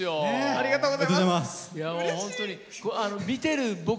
ありがとうございます！